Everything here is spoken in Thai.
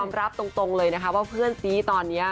รับตรงเลยนะคะว่าเพื่อนซีตอนนี้